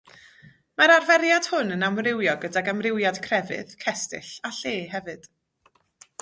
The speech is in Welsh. Mae'r arferiad hwn yn amrywio gydag amrywiad crefydd, cestyll a lle hefyd.